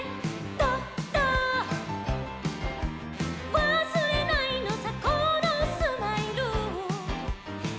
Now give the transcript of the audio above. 「わすれないのさこのスマイル」「ドド」